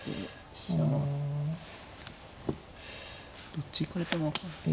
どっち行かれても分かんない。